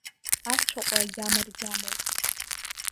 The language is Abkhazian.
Ацәаҟәа агьама ргьамоуп.